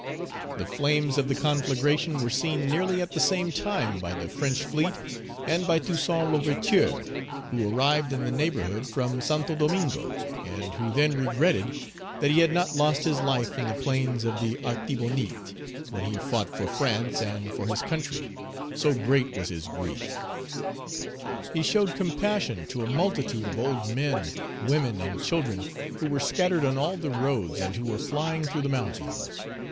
The flames of the conflagration were seen nearly at the same time by the French fleet and by Toussaint L'Ouverture, who arrived in the neighborhood from Santo Domingo, and who then regretted that he had not lost his life in the plains of the Artibonite when he fought for France and for his country; so great was his grief. He showed compassion to a multitude of old men, women, and children, who were scattered on all the roads, and who were flying through the mountains.